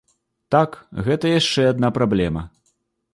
Так, гэта яшчэ адна праблема.